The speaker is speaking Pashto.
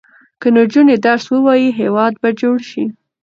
که نجونې درس ووايي، هېواد به جوړ شي.